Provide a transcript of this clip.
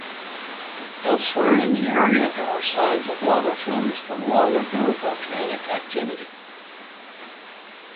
Elsewhere in the area there are signs of lava flows from long-ago volcanic activity.